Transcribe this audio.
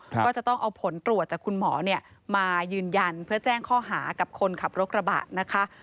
ก็จะต้องเอาผลตรวจจากคุณหมอมายืนยันเพื่อแจ้งข้อหากับคนขับรถกระบะนะคะ